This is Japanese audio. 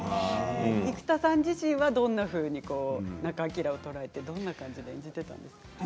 生田さん自身はどんなふうに仲章を捉えてどんな感じで演じていたんですか。